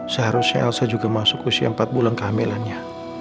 seharusnya elsa juga masuk usia empat bulan kehamilannya